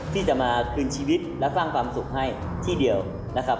ที่จะมาคืนชีวิตและสร้างความสุขให้ที่เดียวนะครับ